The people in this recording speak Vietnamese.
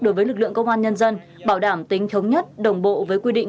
đối với lực lượng công an nhân dân bảo đảm tính thống nhất đồng bộ với quy định